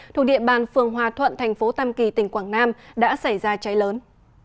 thuộc địa bàn phường hòa thuận thành phố tam kỳ tỉnh quảng nam đã xảy ra cháy lớn